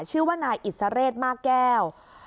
ชื่อว่านายอิสระเรศมากแก้ว